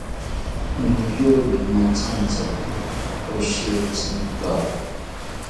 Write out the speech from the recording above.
Noyori mathantzi ashetzinkawo